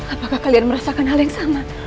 apakah kalian merasakan hal yang sama